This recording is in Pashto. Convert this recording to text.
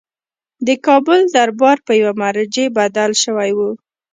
د کابل دربار په یوه مرجع بدل شوی وو.